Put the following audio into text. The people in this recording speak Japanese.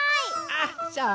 あっそう？